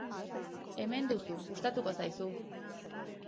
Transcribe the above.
Hemen duzu, gustatuko zaizu!